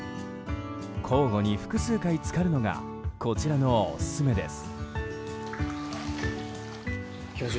交互に複数回浸かるのがこちらのオススメです。